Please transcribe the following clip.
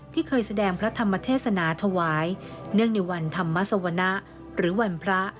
ที่เคยแสดงพระธรรมเทศนาถวายเนื่องในวันธรรมสวนะหรือวันพระ